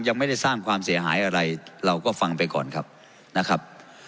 ยังไม่ได้สร้างความเสียหายอะไรเราก็ฟังไปก่อนครับนะครับ